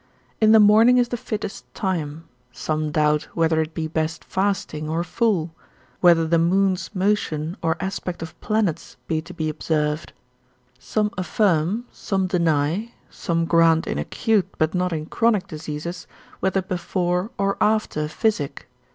In the morning is the fittest time: some doubt whether it be best fasting, or full, whether the moon's motion or aspect of planets be to be observed; some affirm, some deny, some grant in acute, but not in chronic diseases, whether before or after physic.